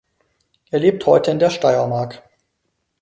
Er lebt heute in der Steiermark.